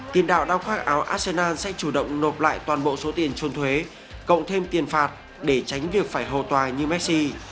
tiền đạo đang khoác áo arsenal sẽ chủ động nộp lại toàn bộ số tiền trốn thuế cộng thêm tiền phạt để tránh việc phải hồ tòa như messi